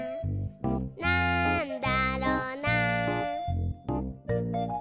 「なんだろな？」